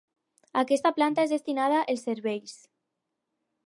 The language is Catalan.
Aquesta planta és destinada els serveis.